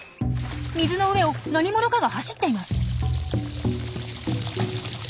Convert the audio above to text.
水の上を何者かが走っています！